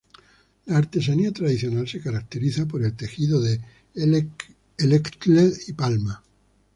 La artesanía tradicional se caracteriza por el tejido de Ixtle y Palma.